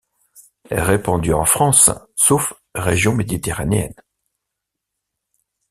Répandue en France sauf régions méditerranéennes.